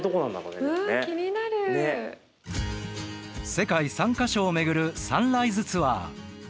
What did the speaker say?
世界３か所を巡るサンライズツアー。